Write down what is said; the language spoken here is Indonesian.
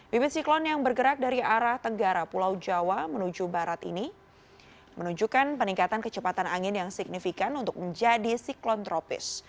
bibit siklon yang bergerak dari arah tenggara pulau jawa menuju barat ini menunjukkan peningkatan kecepatan angin yang signifikan untuk menjadi siklon tropis